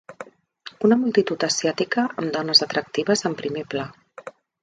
Una multitud asiàtica amb dones atractives en primer pla.